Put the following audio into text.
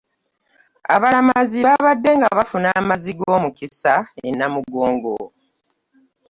Abalamazi babaddenga bafuna amazzi g'omukisa e Namugongo